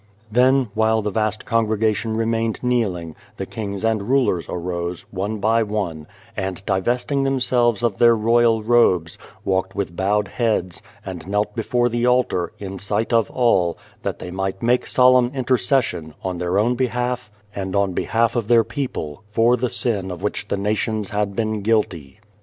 Then, while the vast congregation remained kneeling, the kings and rulers arose, one by one, and, divesting themselves of their royal robes, walked with bowed heads, and knelt before the altar, in sight of all, that they might make solemn intercession, on their own behalf, and on behalf of their people, for the sin of which the nations had been guilty.